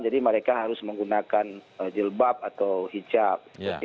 mereka harus menggunakan jilbab atau hijab